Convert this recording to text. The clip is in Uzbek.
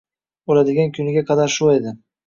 Oʻladigan kuniga qadar shu edi.